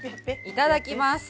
いただきます。